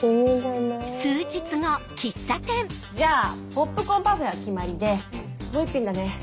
じゃあポップコーンパフェは決まりでもう１品だね。